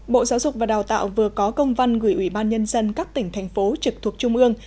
bộ giáo dục và đào tạo vừa có công văn gửi ủy ban nhân dân các tỉnh thành phố trực thuộc trung ương